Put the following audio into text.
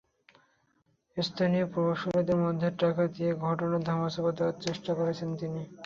স্থানীয় প্রভাবশালীদের মাধ্যমে টাকা দিয়ে ঘটনা ধামাচাপা দেওয়ার চেষ্টা করছেন তিনি।